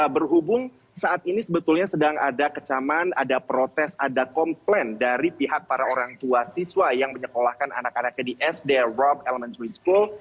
berhubung saat ini sebetulnya sedang ada kecaman ada protes ada komplain dari pihak para orang tua siswa yang menyekolahkan anak anaknya di sd rob elementary school